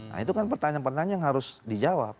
nah itu kan pertanyaan pertanyaan yang harus dijawab